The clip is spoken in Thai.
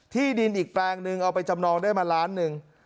ที่ดินอีกแปลงนึงเอาไปจำนองได้มาล้านหนึ่ง